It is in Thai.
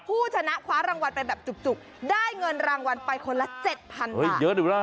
ผู้ชนะคว้ารางวัลเป็นแบบจุกได้เงินรางวัลไปคนละ๗๐๐๐บาท